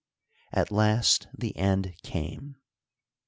At last the end came.